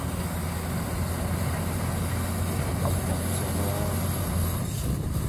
你又咁任性喇